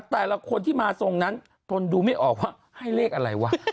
แต่ละคนที่มาทรงนั้นทนดูไม่ออกว่าให้เลขอะไรวะ